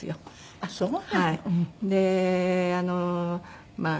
あっそう。